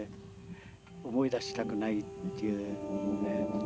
思い出したくないっていうね